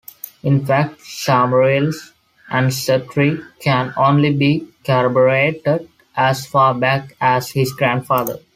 In fact, Somairle's ancestry can only be corroborated as far back as his grandfather.